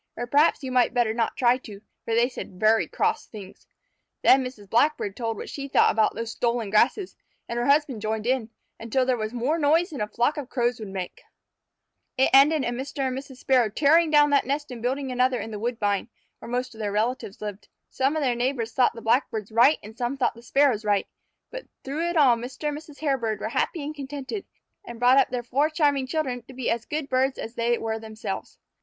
Or perhaps you might better not try to, for they said very cross things. Then Mrs. Blackbird told what she thought about those stolen grasses, and her husband joined in, until there was more noise than a flock of Crows would make. [Illustration: A RED SQUIRREL ATE THEM. Page 34] It ended in Mr. and Mrs. Sparrow tearing down that nest and building another in the woodbine, where most of their relatives lived. Some of their neighbors thought the Blackbirds right and some thought the Sparrows right, but through it all Mr. and Mrs. Hairbird were happy and contented, and brought up their four charming children to be as good birds as they were themselves.